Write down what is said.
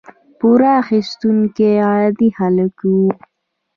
پور اخیستونکي عادي خلک وو.